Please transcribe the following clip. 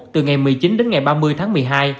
từ ngày một mươi chín đến ngày ba mươi tháng một mươi hai